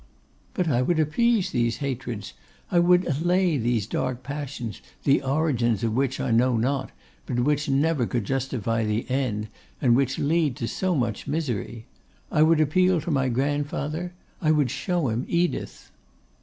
'But I would appease these hatreds; I would allay these dark passions, the origin of which I know not, but which never could justify the end, and which lead to so much misery. I would appeal to my grandfather; I would show him Edith.